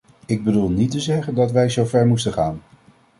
Ik bedoel niet te zeggen dat wij zover moesten gaan.